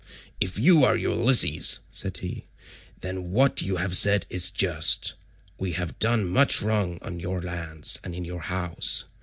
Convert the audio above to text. "If you are Ulysses," said he, "then what you have said is just. We have done much wrong on your lands and in your house.